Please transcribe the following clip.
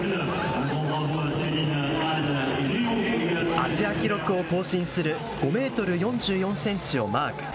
アジア記録を更新する５メートル４４センチをマーク。